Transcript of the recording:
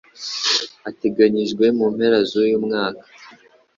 ateganyijwe mu mpera z'uyu mwaka